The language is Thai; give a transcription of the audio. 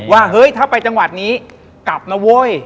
เฮ้ยถ้าไปจังหวัดนี้กลับนะเว้ย